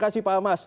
baik pak amas